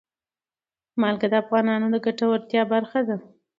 نمک د افغانانو د ګټورتیا برخه ده.